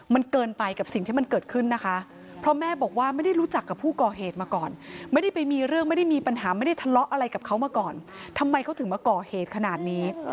ไม่ได้ทะเลาะอะไรกับเขามาก่อนทำไมเขาถึงมาก่อเหตุขนาดนี้